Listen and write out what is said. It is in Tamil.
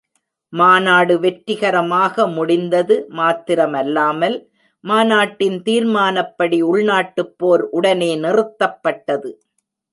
மாநாடு வெற்றிகரமரக முடிந்தது மாத்திரமல்லாமல், மாநாட்டின் தீர்மானப்படி உள்நாட்டுப் போர் உடனே நிறுத்தப்பட்டது.